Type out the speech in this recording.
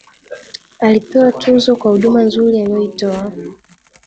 alipewa tuzo kwa huduma nzuri aliyoitoa